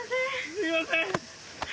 すいません！